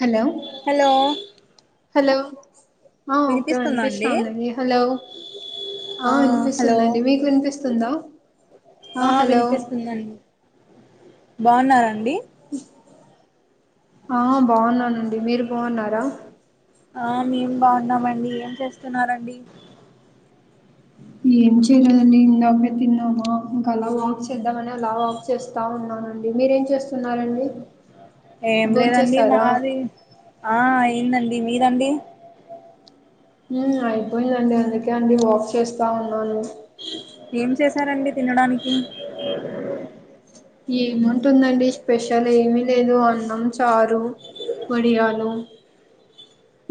Hello hello hello ఆ okay వినిపిస్తుందా అండి వినిపిస్తాండి హలో ఆ వినిపిస్తుందండి మీకు వినిపిస్తు తుందా ఆ వినిపిస్తుందండి బావున్నరా అండి ఆ బాగున్నానండి మీరు బాగున్నారా ఆ మేం బావున్నామండి ఏం చేస్తున్నారండి ఏం చేయలేదండి ఇందాకనేే తిన్నామా ఇంకా అలా వాక్ చేద్దామనే అలా వాక్ చేస్తా ఉన్నానండి మీరేం చేస్తున్నారండి ఏం లేదండి భోంచేసారా మాది ఆ అయిందండి మీదండి అయిపోయిందండి అందుకే అండి వాక్ చేస్తా ఉన్నాను ఏం చేసారండి తినడానికి ఏముంటుందండి స్పెషల్ ఏమి లేదు అన్నం చారు వడియాలు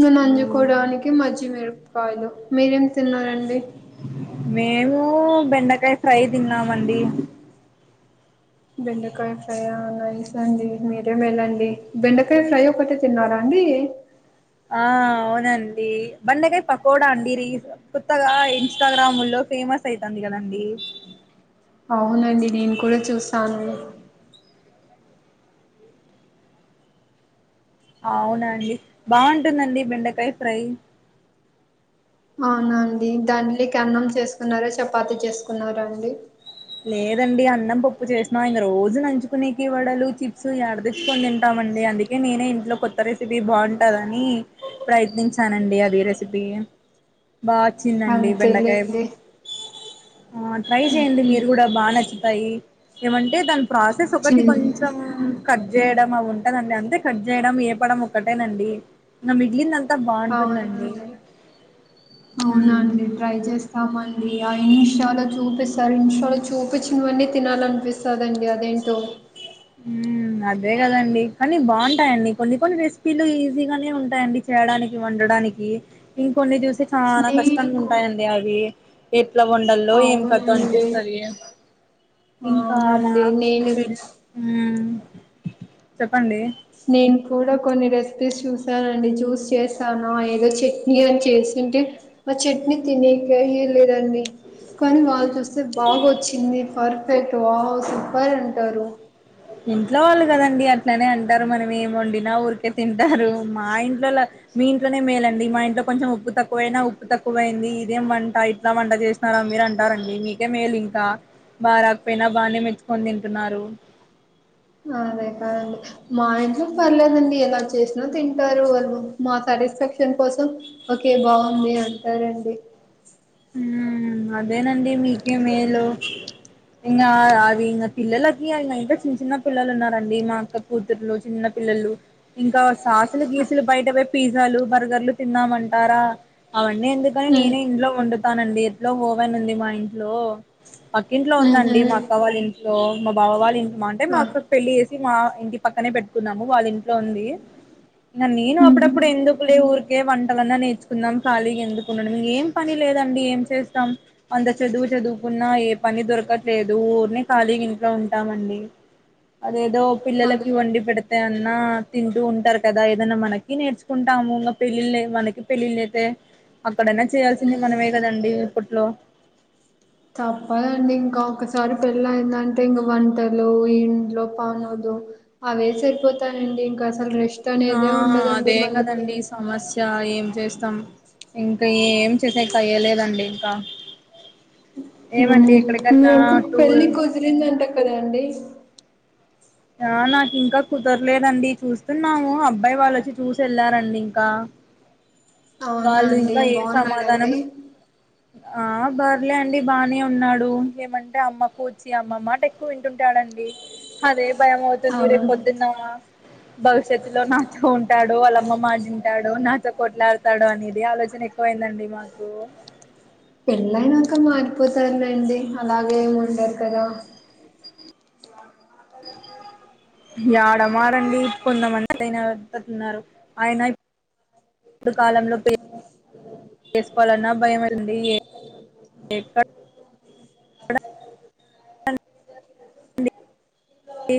నన నంచ్చుకోవడానికి మజ్జిగమిరపకాయలు మీరేమి తిన్నారండి మేము బెండకాయ ఫ్రై తిన్నామండి బెండకాయ ఫ్రై నైస్ అండి మీరే మేలండి బెండకాయ ఫ్రై ఒకటే తిన్నారా అండి ఆ అవునండి బండకాయ పకోడా అండీ రీ కొత్తగా ఇన్స్టాగ్రాము లో ఫేమస్ అయితోంది కదండి అవునండి నేను కూడా చూసాను అవునండి బాగుంటుందండి బెండకాయ ఫ్రై అవునాండి దానిలోకి అన్నం చేసుకున్నారా చపాతి చేసుకున్నారా అండి లేదండి అన్నం పప్పు చేసినా ఇం రోజు నలంచుకునేకి వడలు చిప్స్ ఎడ తెచ్చుకుని తింటాం అండి అందుకే నేనే ఇంట్లో కొ కొత్త రెసిపీ బావుంటాదని ప్రయత్నించానండి అది రెసిపీ బా చ్చిందండి బెండకాయ అంతేలేండి ట్రై చేయండి మీరు ఇది కూడా బానచ్చుతాయి ఏమంటే దాని ప్రాసెస్ ఒకటి కొంచెం కట్ చేయడం అవి ఉంటదండి అంతే కట్ చేయడం ఏపడం ఒకటేనండి మిగిలినం అంత బావుంటుందండి అవునండి మ్ అవునండి ట్రై చేస్తామండి ఆ ఇన్స్టాలో చూపిస్ ఆఇన్షాల చూపించినవన్నీ తినాలనిపిస్తాదండి అదేంటో హ్మ్ అదే కదండి కానీ బావుంటాయండి కొన్ని కొన్ని రెసిపీలు ఈజీగానే ఉంటాయండి చేయడానికి వండడానికి ఇంకొన్ని చూస్తే చానా నేను కష్టంగా ఉంటాయండి అవి ఎట్లా వండల్లో ఏం [unintelligible] అవునండి అనిపిస్తాది ఇంకా నా అవునండి నేను ప హ్మ్ నేను కూడా కొన్ని రెసిపీస్ చూసానండి చూసి చేసాను ఏదో చట్నీ అని చేసింటే మ చట్నీ తినీకే ఈల్లేదండి కానీ వాళ్ళు చూస్తే బాగొచ్చింది పర్ఫెక్ట్ వావ్ సూపర్ అంటారు ఇంట్లో వాళ్ళు కదండీ అట్లనే అంటారు మనం ఏం వండినా ఊరికే తింటారు మా ఇంట్లో మీ ఇంట్లోనే మేలండి మా ఇంట్లో కొంచెం ఉప్పు తక్కువ వైనా ఉప్పు తక్కువైయింది ఇదేం వంట ఇట్లా వంట చేస్త మీరు అంటారండి మీకే మేలు ఇంకా బాగా రాకపోయినా బానే మెచ్చుకొని తింటున్నారు ఆ అదే కారండి మా ఇంట్లో పర్లేదండి ఎలా చేసినా తింటారు వాళ్ళు మా సాటిస్ఫాక్షన్ కోసం ఓకే బావుంది అంటారండి ఉ అదేనండి మీకే మేలు ఇంకా అవి ఇంకా పిల్లలకి ఇ ఇంకా చిన్న చిన్న పిల్లలు ఉన్నారండి మా అక్క కూతురులు చిన్న పిల్లలు ఇంకా వాళ్ళు సాసులు గీసులు బయట పోయ్ పిజ్జలు బర్గర్లు తిందమంటారా అవన్నీ ఎందుకని నేనే ఇంట్లో వండుతానండి ఎట్లో హోవెన్ ఉంది మా ఇంట్లో అక్క ఇంట్లో ఉమ్ ఉందండి మా ఉహు అక్క వాళ్ళ ఇంట్లో మా బావ వాళ్ళ ఇంట్లో మా అంటే మా ఆ అక్కకి పెళ్ళి చేస్త మా ఇంటి పక్కనే పెట్టుకున్నాము వాళ్ళ ఇంట్లో ఉంది ఆ నేను అప్పుడప్పుడు ఉమ్ ఎందుకు లే ఊరికే వంటలన్నా నేర్చుకుందాం ఖాళీగా ఎందుకు ఉండడం ఏం పని లేదు దండి ఏం చేస్తాం అంత చదువు చదువుకున్నా ఏ పని దొరకట్లేదు ఊరినే ఖాళీగ ఇంట్లో ఉంటామండి అదేదో పిల్లలకి అదే వండి పెడితే అదే అన్నా తింటూ ఉంటారు కదా ఏదన్నా మనకి నేర్చుకుంటాము ఇంకా పెళ్ళిళ్ళు అయ్యే మనకి పెళ్ళిళ్ళయితే అక్కడైనా చేయాల్సింది ఉమ్ మనమే కదండి ఇప్పట్లో తప్పదండి ఇంకా ఒకసారి పెళ్ళయిందంటే ఇంక వంటలు ఇంట్లో పనులు అవే సరిపోతానండి ఇంకా అసలు రెస్ట్ ఆ అనేదే ఉండదండి అదే మనకి కదండి సమస్య ఏం చేస్తాం ఇంకా ఏం చేసేక అయ్యలేదండి ఇంకా ఉమ్ ఏమండి మీ ఎక్కడికన్నా అక్కకు పెళ్లిి టూర్ కుదిరిందంట కదండీ ఆ నాకు ఇంకా కుదరలేదండి చూస్తున్నాము అబ్బాయి వాళ్ళొచ్చి చూసి వెళ్ళారండి ఇంకా అవునా అండి బాగున్నాడండి హు ఆ బర్లే అండి బాగానే ఉన్నాడు ఏమంటే అమ్మకూచి అమ్మ మాట ఎక్కువ వింటుంటాడు భయం అవుతుంది అవును రేపు పొద్దున్నా భవిష్యత్తులో నాతో ఉంటాడో వాళ్ళమ్మ మాట ఉంటాడో నాతో కొట్లాడతాడో అనేది ఆలోచన పోయిందండి మాకు పెళ్ళైనాక మారిపోతారులేండి అలాగే ఏమి ఉండరు కదా అద యాడమాడండి కొంతమంది అయినాతున్నారు ఆయన ముందు కాలంలో పే చేసుకోవాలన్నా భయమైంది [unintelligible] ఈ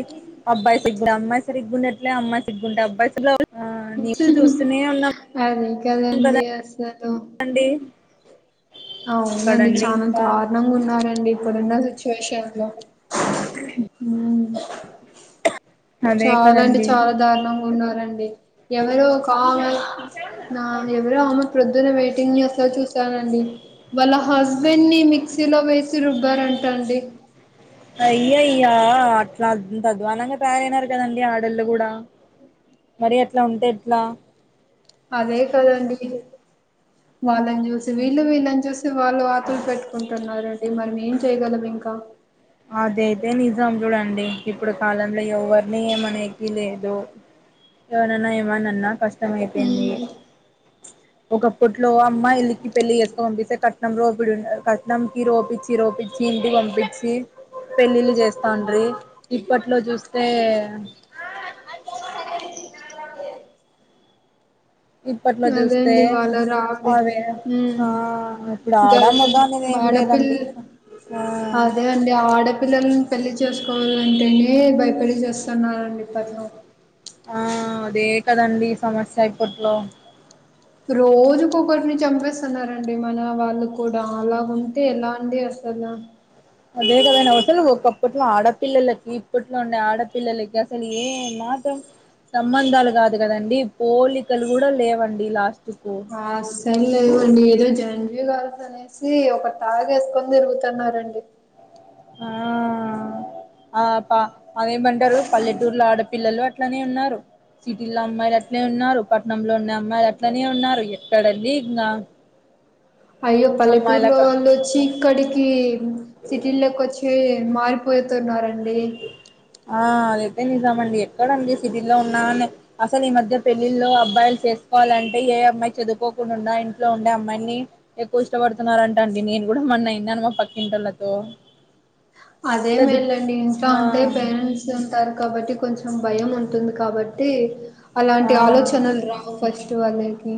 అబ్బాయి సిగ్గు అమ్మాయి సరిగ్గుండట్లే అమ్మాయి సిగ్గుంటే అబ్బాయిలు చూస్తనే ఉన్నా అదే కదండి అసలు అండి అవునండి చాలా ఇంకా దారుణంగా ఉన్నారండి ఇప్పుడున్న సిచ్యువేషన్ లో ఉ అదే చాలా అంటే కదండి చాలా దారుణంగా ఉన్నారండి ఎవరు కా నా ఎవరో అమ ప్రొద్దున్న వెయిటింగ్ చేస్తే చూసానండి వాళ్ళ హస్బెండ్ ని మిక్సీలో వేసి రుబ్బారంట అండి అయ్యా అయ్యా అట్లా అద్వానంగా తయారైనారు కదండీ ఆడళ్ళు కూడా మరి అట్లా ఉంటే ఎట్లా అదే కదండి వాళ్ళని చూసి వీళ్ళు వీళ్ళని చూసి వాళ్ళు వాతులు పెట్టుకుంటున్నారండి మరిం ఏం చేయగలం ఇంక అదైతే నిజం చూడండి ఇప్పుడు కాలంలో ఎవరిని ఏమనేకి లేదు ఎవనన్నా ఏమనన్నా కష్టం అయిపోయింది ఉమ్ ఒకప్పట్లో అమ్మాయిల కి పెళ్లి చేేసుకోనింపిస్తే క రోపిడు ఉంటది కట్నంకి రోపిచ్చి రోపిచ్చి ఇంటికి పంపించి పెళ్ళిళ్ళు చేస్తాండ్రి ఇప్పట్లో చూస్తే [inaudible] ఇప్పట్లో అదే చూస్తే అండివాళ రావట్లేను అవే ఉమ్ ఆ ఇప్పుడు గల్స్ ఆడపిల్ల రా అదే అండి ఆ ఆడపిల్లల్ని పెళ్ళి చేసుకోవాలంటేనే భయపడి చస్తున్నారండి ఇప్పట్లో ఆ అదే కదండి సమస్యా ఇప్పట్లో రోజుకొక్కరిని చంపేస్తున్నారండి మన వాళ్ళు కూడా అలా గుంటే ఎలా అండి అసలు అదే కదండి అసలు ఒకప్పట్లో ఆడపిల్లలకి ఇప్పట్లో ఉండే ఆడపిల్లలకి అసలు ఏ మాత్రం సంబందాలు కాదు కదండి పోలికలు కూడా లేవండి లాస్ట్ కు ఆసలు లేవండి ఏదో జంజుగాడ్తాడు సి ఒక టాగ్ ఏసుకొని తిరుగుతున్నారండి ఆ ఆ పా అదేమంటారు పల్లెటూర్లో ఆడపిల్లలు అం అట్లనే ఉన్నారు సిటీలో అమ్మాయిలు అట్లే ఉన్నారు పట్నంలో ఉండే ఉన్న అమ్మాయిలు అట్లనే ఉన్నారు ఎక్కడండి ఇంగా అయ్యో పల్లెటూరులో అమ్మాయిలక వాళ్ళు వచ్చి ఇక్కడికి సిటీల్లోకి ఒచ్చి మారిపోయి తున్నారండి ఆ ఏదైతే నిజం అండి ఎక్కడండి సిటీ లో ఉన్నాని అసలు ఈ మధ్య పెళ్ళిళ్ల్లో అబ్బాయిలు చేసుకోవాలంటే ఏ అమ్మాయి చదువుకోకుండా ఇంట్లో ఉండే అమ్మాయిని ఎక్కువ ఇష్టపడుతున్నారంట అండి నేను గూడా మొన్న ఇన్నాను మా పక్కింటోలతో అదే మేల్ళండి ఇంస్టా ఉంటే పేరెంట్స్ ఉంతారు కాబట్టి కొంచెం భయం ఉంటుంది కాబట్టి ఆ అలాంటి ఆ ఆలోచనలు రా ఒ ఫస్ట్ వాల్లకి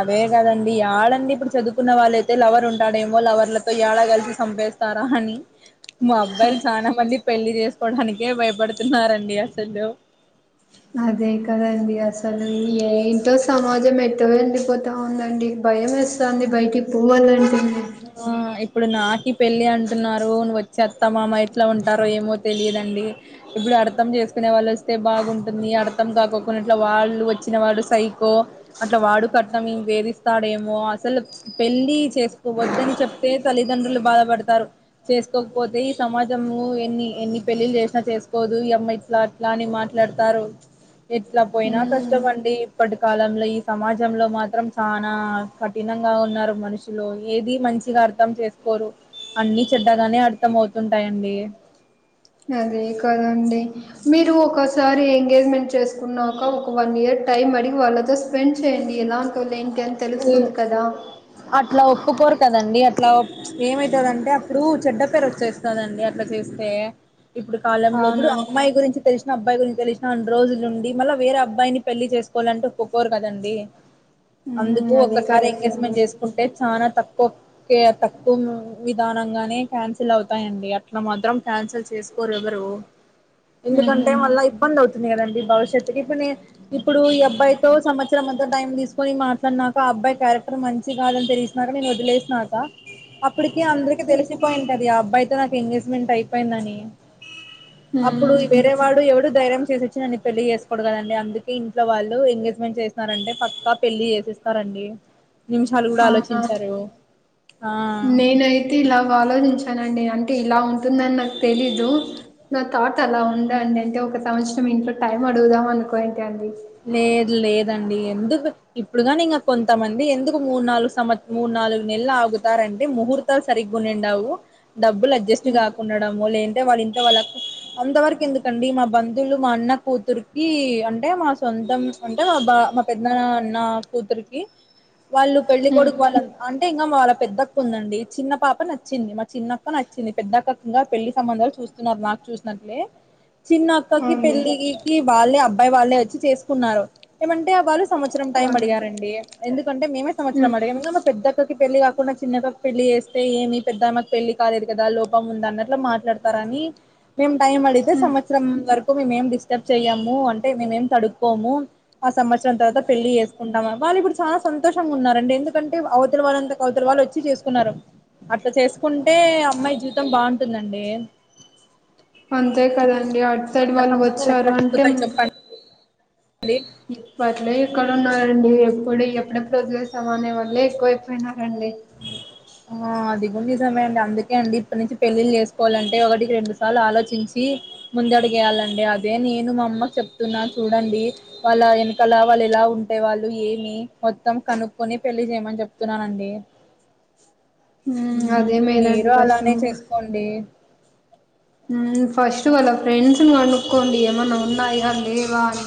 అదే కదండి యడండీ ఇప్పుడు చదువుకున్న వాళ్ళైతే లవర్ ఉంటాడేమో లవర్లతో యడా కలిసి సంపేస్త స్తారాహని [unintelligible] మా అబ్బాయిలు చాలా మంది పెళ్లి చేసుకోవడానికే భయపడుతున్నడి అసలు అదే కదండి అసలు ఏఐ తో సమాజం ఎట్ట వెండిపోతా ఉందండి భయమేస్తంది బయటికి పోవాలంటెనే ఆ ఇప్పుడు నాకి పెళ్ళి అంటున్నారు ను వచ్చి అత్తమామ ఎట్లా ఉంటారో ఏమో తెలియదండి ఇప్పుడు అర్థం చేసుకునే వాళ్ళు వస్తే బాగుంటుంది అర్థం కాకికుండా కొన్నిట్లా వాళ్ళు వచ్చిన వాళ్ళు సైకో అట్లా వాడు కట్నం వేధిస్తాడేమో అసలు పెళ్ళి చేసుకోవద్దని చెప్తే తల్లిదండ్రులు బాధపడతారు చేసుకోకపోతే ఈ సమాజము ఎన్ని ఎన్ని పెళ్ళిళ్ళలు చేసినా చేసుకోదు ఈ అమ్మాయి ఇట్లా అలాని మాట్లాడతారు ఎట్లా పోయినా ఉమ్ కష్టమండి ఇప్పటి కాలంలో ఈ సమాజంలో మాత్రం చనా కఠినంగా ఉన్నారు మనుషు లో ఏది మంచిగా అర్థం చేసుకోరు అన్ని చెడ్డగానే అర్థం అవుతుంటాయండి అదే కదండి మీరు ఒకసారి ఎంగేజ్మెంట్ చేసుకున్నాక ఒక వన్ ఇయర్ టైమ్ అడిగి వాళ్ళతో స్పెండ్ చేయండి ఎలాంటోళ్ళు ఏంటి అని తెలుస్తుంది కదా అట్లా ఒప్పుకోరు కదండి అట్లా ఏమైతదంటే అప్పుడు చెడ్డ పేరు వచ్చేస్తదండి అట్లా చేస్తే ఇప్పుడు కాలంలో ఇప్పుడు అవునండి అమ్మాయి గురించి తెలుసు నా అబ్బాయి గురించి తెలిసినన్రోజులుండి నుండి మళ్ల వేరే అబ్బాయిని పెళ్లి చేసుకోవాలంటే ఒప్పుకోరు కదండి అందుకు ఉమ్ అదే ఒకసారి కరెక్ట్ అండి ఎంగేజ్మెంట్ చేసుకుంటే చాలా తక్కువ కే తక్కువ వి ప్రధానంగానే క్యాన్సిల్ అవుతాయండి అట్లా మాత్రరం క్యాన్సిల్ చేసుకోరు ఎవరు ఉహు ఎందుకంటే మళ్ళా ఇబ్బంది అవుతుంది కదండి భవిష్యత్తుకి ఇప్పుడు నేను ఇప్పుడు ఈ అబ్బాయితో సంవత్సరం ఇంత టైం తీసుకొని మాట్లాడినాక అబ్బాయి క్యారెక్టర్ మంచి కాదని తెలిసినాక నేను వదిలేసినాక అప్పటికి అందరికి తెలిసిపోయి ఉంటది ఆ అబ్బాయితో నాకు ఎంగేజ్మెంట్ అయిపోయిందని అప్పుడు ఉమ్ వేరే వాడు ఎవడు ధైర్యం చేసొచ్చి నన్న పెళ్లి చేసుకోూడు కదా అండి అందుకె ఇంట్లో వాళ్ళు ఎంగేజ్మెంట్ చేస్త చేశారంటే పక్కా పెళ్ళి చేసెస్తారండి నిమిషాలు కూడా అవునా ఆలోచించరు ఆ అయితే ఇలాగ ఆలోచించానండి అంటే ఇలా ఉంటుందని నాకు తెలీదు నా థాట్ అలా ఉందా అండి అంటే ఒక సంవత్సరం ఇంట్లో టైం అడుగుదాం అనుకోంట అండి లేదు లేదండి ఎందుకు ఇప్పుడు కాని ఇంక కొంతమంది ఎందుకు మూడు నాలుగు సంవత్ మూడు నాలుగు నెలలు ఆగుతారంటే ముహూర్ తాలు సరిగ్గ ఉండండవు డబ్బులు అడ్జెస్ట్ కాకుండడము లేదంటే వాళ్ళ ఇంట్లో వాళ్ళ అంత వరకు ఎందుకండి మా బ లు మా అన్న కూతుర్కి అంటే మా సొంతం అంటే మా బా మా పెద్ద నాన్న అన్న కూతురికి వాళ్ళు పెళ్లి హ్మ్ కొొడుకు వాళ్ళ అంటే ఇంకా వాళ్ళ పెద్దక్క ఉందండి చిన్న పాప నచ్చింది మా చిన్నక్క నచ్చింది పెద్దక్క ఇంకా పెళ్లి సంబధాలు చూస్త న్నార్ నాకు చూసినట్లే ఓ చిన్న అక్కకి పెళ్ళికి వాళ్ళే అబ్బాయి వాళ్ళే వచ్చి చేసుకున్నారు ఏమంటే వాళ్ళు సంవత్సరం టైం అవును. అడిగారండి ఎందుకంటే మేమే సంవత్సరం హ్మ్ అడిగ పెద్దక్కకి పెళ్లి కాకుండా చిన్న అక్కకి పెళ్లి చేస్తె ఏమి పెద్దమ్మకి పెళ్లి కాలేదు కదా లోపం ఉంద అన్నట్లా మాట్లాడుత స్తార్ అని మేము టైం అడిగితే హ్మ్ సంవత్సరం వరకు మేమేం డిస్టర్బ్ చేయ్యాము అంటే మేమేం తడు కోము ఆ సంవత్సరం తర్వాత పెళ్లిి చేసుకుంటాము వాళ్ళు ఇప్పుడు చాలా సంతోషంగా ఉన్నారండి ఎందుకంటే అవతల వాళ్ళంతా కౌతరు వాళ్ళు వచ్చి చేసుకున్నారు అట్ల చేసుకుంటే అమ్మాయి జీవితం బాగుంటుందండి అంతే కదండి అటు సైడ్ అట్లా వాళ్ళు సంబంధాలు వచ్చారు అంటే అండి ఇప్పట్లే ఎక్కడ ఉన్నారండి ఎప్పుడు ఎప్పుడెప్పుడు వదిలేస్ తమ అనె వాళ్లె ఎక్కువైపోయినారండి ఆ అది కూడ నిజమే అండి అందుకే అండి ఇప్పటి నుంచి పెళ్ళిళ్ చేసుకోవాలంటే ఒకటికి రెండు సార్లు ఆలోచించి ముందడుగు వేయాలండి అదే నేను మా అమ్మ క్ చెప్తున్నా చూడండి వాళ్ళ వెనకల వాళ్ళు ఎలా ఉంటే వాళ్ళు ఏమి మొత్తం కనుక్కుొని పెళ్లిి చేయమని చెప్తున్నానండి ఉమ్ అదే మేలండి వస్ట్ డి ఫస్ట్ వాళ్ళ ఫ్రెండ్స్ని కనుక్కోండి ఏమన్న ఉన్నాయా లేవా అని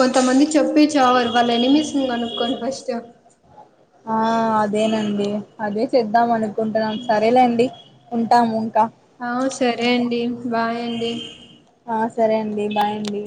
కొంతమంది చెప్పే చావారు వాళ్ళ ఎనిమిస్ ని అనుక్కకోండి ఫస్ట్ ఆ అదేనండి అదే చేద్దాం అనుకుంటున్నాం సరేలేండి ఉంటాము ఇంక ఆహ్ సరే అండి బాయ్ అండి ఆ సరే అండి బాయ్ అండి